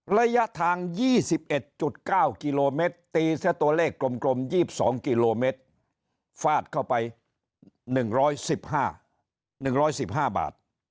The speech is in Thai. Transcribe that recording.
ระยะทาง๒๑๙กิโลเมตรตีเสียตัวเลขกลม๒๒กิโลเมตรฟาดเข้าไป๑๑๕๑๑๕บาท